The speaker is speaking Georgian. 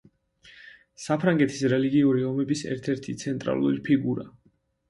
საფრანგეთის რელიგიური ომების ერთ-ერთი ცენტრალური ფიგურა.